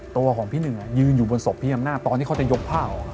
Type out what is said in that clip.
ตัวของพี่หนึ่งยืนอยู่บนศพพี่อำนาจตอนที่เขาจะยกผ้าออก